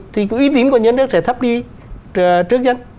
thì ý tín của nhà nước sẽ thấp đi trước dân